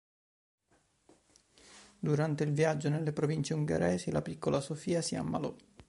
Durante il viaggio nelle province ungheresi, la piccola Sofia si ammalò.